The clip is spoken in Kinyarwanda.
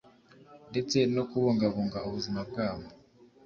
ndetse no kubungabunga ubuzima bwabo